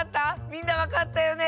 みんなわかったよね？